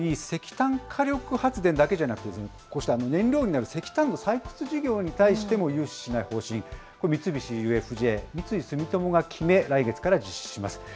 石炭火力発電だけじゃなくて、こうした燃料になる石炭の採掘事業に対しても、融資しない方針、これ、三菱ＵＦＪ、三井住友が決め、来月から実施します。